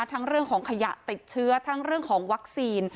เรื่องของขยะติดเชื้อทั้งเรื่องของวัคซีน